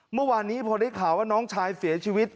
เมื่อวานนี้พอได้ข่าวว่าน้องชายเสียชีวิต